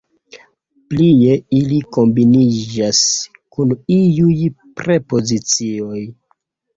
Plie, ili kombiniĝas kun iuj prepozicioj.